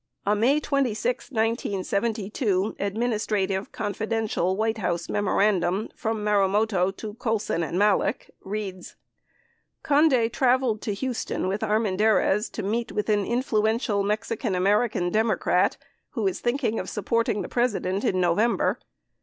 A May 26, 1972, "Administrative Confidential" White House memorandum from Marumoto to Colson and Malek reads : 47 Conde traveled to Houston with Armendariz to meet with an influential Mexican American democrat who is thinking of supporting the President in November.